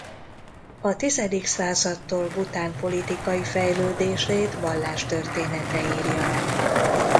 A tizedik századtól Bhután politikai fejlődését vallástörténete írja le.